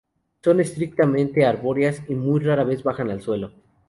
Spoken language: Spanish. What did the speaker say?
Son estrictamente arbóreas y muy rara vez bajan al suelo.